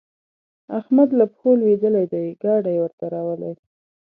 احمد له پښو لوېدلی دی؛ ګاډی ورته راولي.